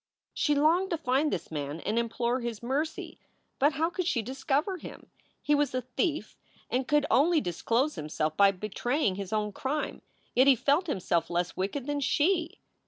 She longed to find this man and implore his mercy. But how could she discover him? He was a thief and could only SOULS FOR SALE 337 disclose himself by betraying his own crime. Yet he felt himself less wicked than she.